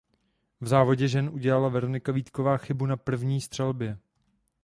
V závodě žen udělala Veronika Vítková chybu na první střelbě.